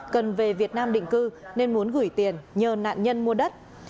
cần về việt nam định cư nên muốn gửi tiền nhờ nạn nhân mua đất